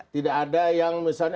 tidak ada yang misalnya